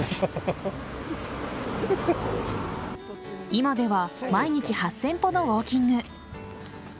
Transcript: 今では毎日８０００歩のウォーキング。